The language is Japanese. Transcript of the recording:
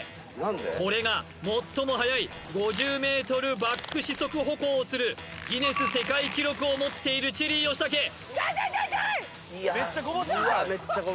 これが最も速い５０ｍバック四足歩行をするギネス世界記録を持っているチェリー吉武ちょいちょいちょいちょい！